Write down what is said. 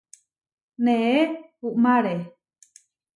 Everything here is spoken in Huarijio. Neé uʼmáre.